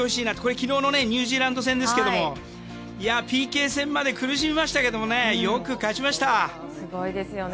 昨日のニュージーランド戦ですがＰＫ戦まで苦しみましたけどすごいですよね